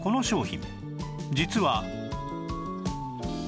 実は